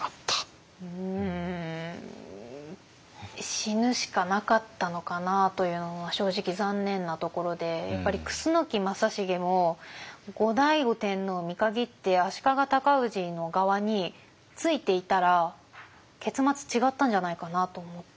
死ぬしかなかったのかなというのは正直残念なところでやっぱり楠木正成も後醍醐天皇を見限って足利尊氏の側についていたら結末違ったんじゃないかなと思って。